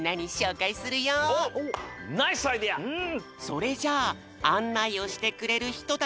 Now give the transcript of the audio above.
それじゃああんないをしてくれるひとたちをよぶよ！